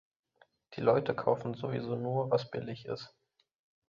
Die Leute kaufen sowieso nur, was billig ist.